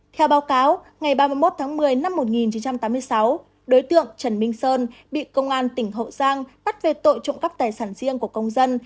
theo báo cáo ngày ba mươi một tháng một mươi năm một nghìn chín trăm tám mươi sáu đối tượng trần minh sơn bị công an tỉnh hậu giang bắt về tội trộm cắp tài sản riêng của công dân